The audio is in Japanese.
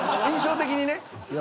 印象的にね。